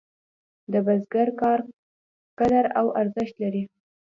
د بزګر کار قدر او ارزښت لري.